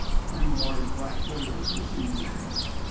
Three large black whales were seen to day.